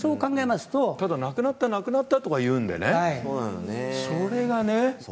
ただ亡くなった亡くなったとか言うんでねそれがね。